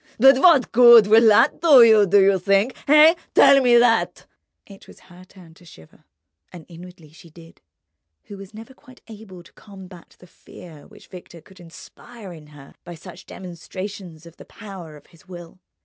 But what good will that do you, do you think? Eh? Tell me that!" It was her turn to shiver, and inwardly she did, who was never quite able to combat the fear which Victor could inspire in her by such demonstrations of the power of his will.